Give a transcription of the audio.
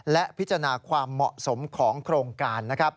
และพิจารณาความเหมาะสมของโครงการ